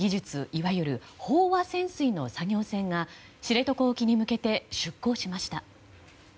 いわゆる飽和潜水の作業船が知床沖に向けて出港しました。